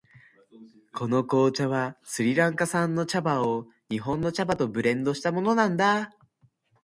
この紅茶はスリランカ産の茶葉を日本の茶葉とブレンドしたものなんだ。